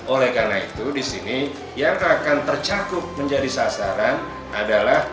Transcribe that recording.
oleh karena itu di sini yang akan tercakup menjadi sasaran adalah